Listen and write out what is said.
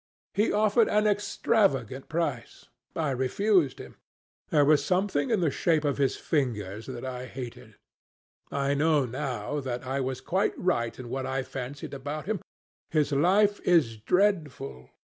He offered an extravagant price. I refused him. There was something in the shape of his fingers that I hated. I know now that I was quite right in what I fancied about him. His life is dreadful.